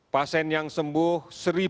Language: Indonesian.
pasien yang sembuh satu satu ratus tujuh